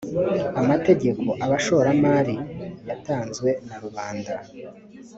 amategeko abashoramari yatanzwe na rubanda